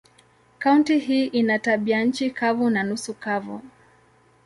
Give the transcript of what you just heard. Kaunti hii ina tabianchi kavu na nusu kavu.